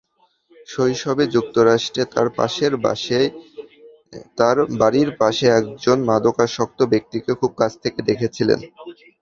শৈশবে, যুক্তরাষ্ট্রে তাঁর বাড়ির পাশে একজন মাদকাসক্ত ব্যক্তিকে খুব কাছ থেকে দেখেছিলেন।